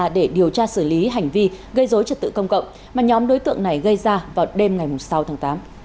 để điều tra xử lý hành vi gây dối trật tự công cộng mà nhóm đối tượng này gây ra vào đêm ngày sáu tháng tám